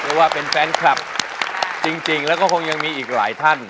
เพราะว่าเป็นแฟนคลับจริงแล้วก็คงยังมีอีกหลายท่าน